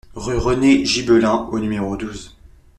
Rue René Gibelin au numéro douze